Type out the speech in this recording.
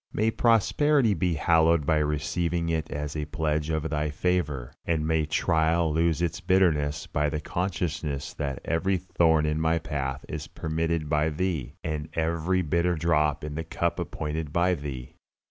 May prosperity be hallowed by receiving it as a pledge of Thy favor, and may trial lose its bitterness by the consciousness that every thorn in my path is permitted by Thee, and every bitter drop in the cup appointed by Thee.